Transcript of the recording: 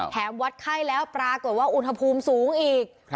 วัดไข้แล้วปรากฏว่าอุณหภูมิสูงอีก